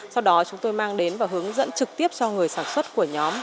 sau đó chúng tôi mang đến và hướng dẫn trực tiếp cho người sản xuất của nhóm